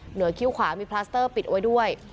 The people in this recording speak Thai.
คิ้วขวามีพลาสเตอร์ปิดไว้ด้วย